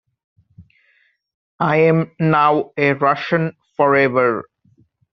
I am now a Russian forever.